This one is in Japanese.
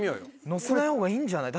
のせない方がいいんじゃない？